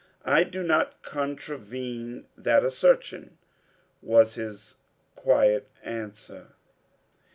"I do not contravene that assertion," was his quiet answer.